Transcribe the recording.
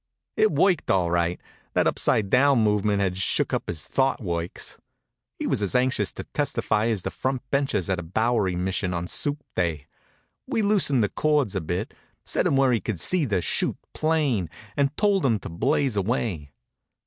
It worked all right. That upside down movement had shook up his thought works. He was as anxious to testify as the front benchers at a Bowery mission on soup day. We loosened the cords a bit, set him where he could see the chute plain, and told him to blaze away.